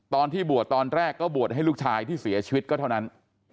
ตอนที่บวชตอนแรกก็บวชให้ลูกชายที่เสียชีวิตก็เท่านั้น